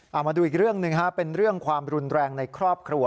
เอามาดูอีกเรื่องหนึ่งเป็นเรื่องความรุนแรงในครอบครัว